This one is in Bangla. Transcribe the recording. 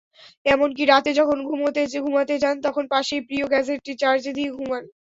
এমনকি রাতে যখন ঘুমাতে যান, তখন পাশেই প্রিয় গ্যাজেটটি চার্জে দিয়ে ঘুমান।